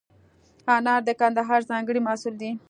انار د کندهار ځانګړی محصول دی.